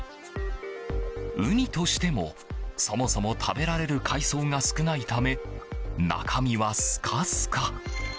ウニとしても、そもそも食べられる海藻が少ないため中身はスカスカ。